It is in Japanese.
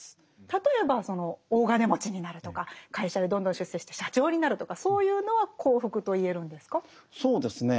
例えばその大金持ちになるとか会社でどんどん出世して社長になるとかそういうのは幸福と言えるんですか？